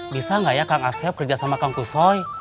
bisa gak ya kang asep kerja sama kang kusoy